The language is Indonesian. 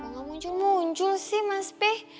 kok gak muncul muncul sih mas peh